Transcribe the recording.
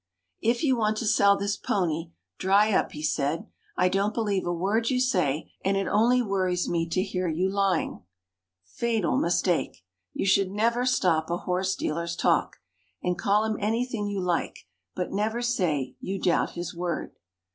"If you want to sell this pony, dry up," he said. "I don't believe a word you say, and it only worries me to hear you lying." Fatal mistake! You should never stop a horse dealer's talk. And call him anything you like, but never say you doubt his word.